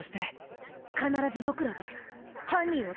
必ずボクらで犯人を捕まえる！